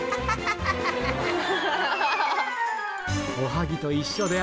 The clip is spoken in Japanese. おはぎと一緒で